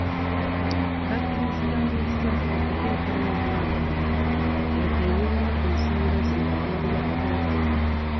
Bakkiriziganyizza okuteekawo omwagaanya beegeyeemu ku nsonga zino wabweru wa kkooti.